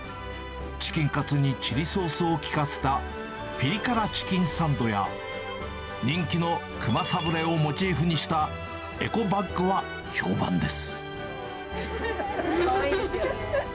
チキンカツにチリソースを利かせたピリカラチキンサンドや、人気の熊サブレをモチーフにしたエコバッグは評判です。